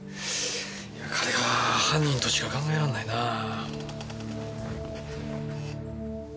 彼が犯人としか考えられないなあ。